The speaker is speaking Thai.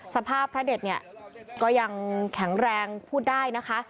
สภาพพระเด็ดเนี่ยก็ยังแข็งแรงพูดได้นะคะ